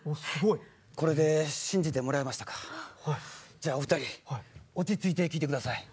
じゃあお二人落ち着いて聞いてください。